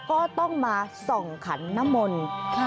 ก็ต้องมาส่องขันน้ำมนต์